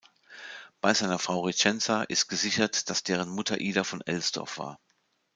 Bei seiner Frau Richenza ist gesichert, dass deren Mutter Ida von Elsdorf war.